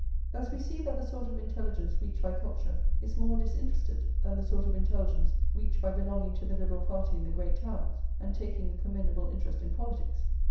Thus we see that the sort of intelligence reached by culture is more disinterested than the sort of intelligence reached by belonging to the Liberal party in the great towns, and taking a commendable interest in politics.